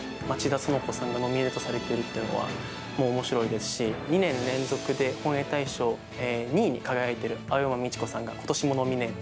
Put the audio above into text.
そのこさんがノミネートされているというのは面白いですし２年連続で本屋大賞２位に輝いている青山美智子さんが今年もノミネート。